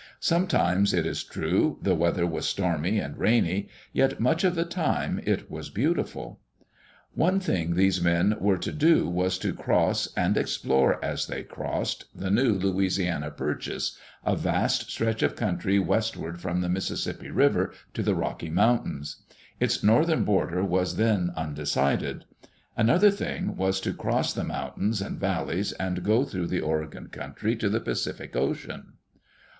Some times, it is true, the weather was stormy and rainy, yet much of the time it was beautiful. One thing these men were to do was to cross, and explore as they crossed, the new Louisiana Purchase, a vast stretch of country westward from the Mississippi Digitized by VjOOQ LC EARLY DAYS IN OLD OREGON River to the Rocky Mountains. Its northern border was then undecided. Another thing, was to cross the moun tains and valleys and go through the Oregon country to the Pacific Ocean.